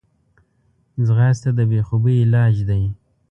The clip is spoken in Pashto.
ځغاسته د بېخوبي علاج دی